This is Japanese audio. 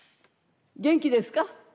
元気ですか？